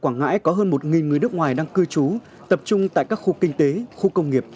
quảng ngãi có hơn một người nước ngoài đang cư trú tập trung tại các khu kinh tế khu công nghiệp